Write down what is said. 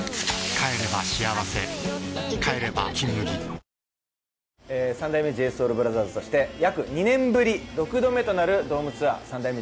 帰れば「金麦」三代目ＪＳＯＵＬＢＲＯＴＨＥＲＳとして約２年ぶり６度目となるドームツアー三代目